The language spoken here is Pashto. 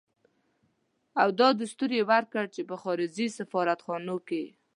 او دستور يې ورکړ چې په خارجي سفارت خانو کې.